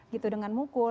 gitu dengan mukul